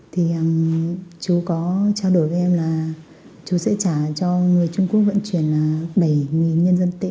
thì chú có trao đổi với em là chú sẽ trả cho người trung quốc vận chuyển bảy nhân dân tệ